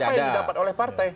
apa yang didapat oleh partai